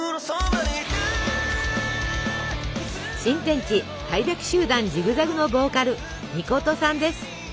真天地開闢集団ジグザグのヴォーカル命さんです。